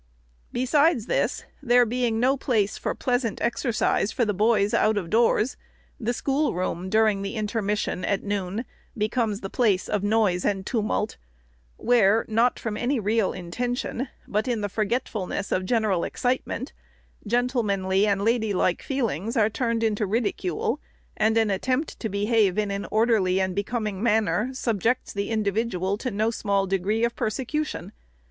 Besides this, there being no place for pleasant exercise for the boys out of doors, the schoolroom, during the intermission at, noon, becomes the place of noise and tumult, where, not from any real intention, but in the forgetfulness of gen eral excitement, gentlemanly and lady like feelings are turned into ridicule, and an attempt to behave in an orderly and becoming manner subjects the individual to no small degree of persecution.